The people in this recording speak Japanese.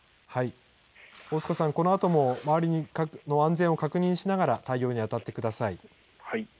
大須賀さん、このあとも周りの安全を確認しながら対応に当たってください。